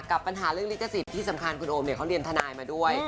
กับปัญหาเรื่องลิขสิทธิ์ที่สำคัญคุณโอมเนี่ยเขาเรียนทนายมาด้วย